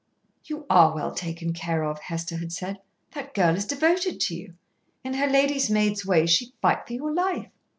"You are well taken care of," Hester had said. "That girl is devoted to you. In her lady's maid's way she'd fight for your life."